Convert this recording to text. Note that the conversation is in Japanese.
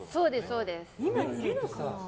そうです。